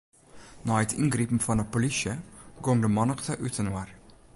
Nei it yngripen fan 'e polysje gong de mannichte útinoar.